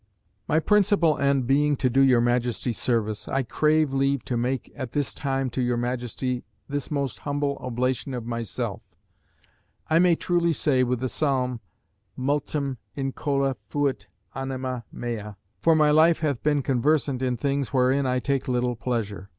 "My principal end being to do your Majesty service, I crave leave to make at this time to your Majesty this most humble oblation of myself. I may truly say with the psalm, Multum incola fuit anima mea, for my life hath been conversant in things wherein I take little pleasure.